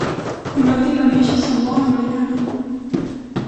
Fonoti va néixer a Samoa Americana.